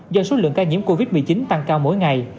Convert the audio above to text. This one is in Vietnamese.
do số lượng ca nhiễm covid một mươi chín tăng cao mỗi ngày